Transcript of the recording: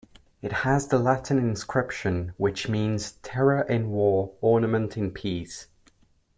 It has the Latin inscription: ", which means "terror in war, ornament in peace.